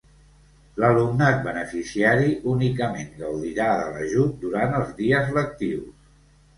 L'alumnat beneficiari únicament gaudirà de l'ajut durant els dies lectius.